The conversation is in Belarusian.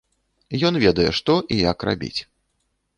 Ён ведае, што і як рабіць.